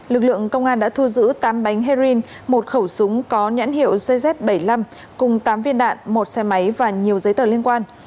lực lượng công an đã thu giữ tám bánh heroin một khẩu súng có nhãn hiệu cz bảy mươi năm cùng tám viên đạn một xe máy và nhiều giấy tờ liên quan